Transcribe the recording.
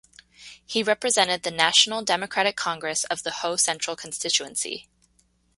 He represented the National Democratic Congress of the Ho Central Constituency.